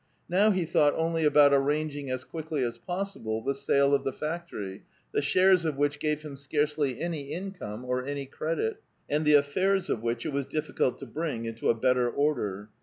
Now he thought only about arranging as quickly as possible the sale of the factory, the shares of which gave him scarcel}' any income, or any credit, and the affairs of which it was difficult to bring rnto a better order.